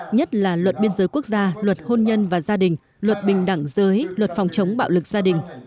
nhất là luật biên giới quốc gia luật hôn nhân và gia đình luật bình đẳng giới luật phòng chống bạo lực gia đình